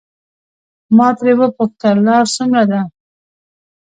ما ترې وپوښتل لار څومره ده.